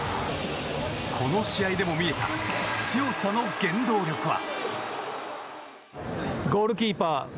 この試合でも見えた強さの原動力は。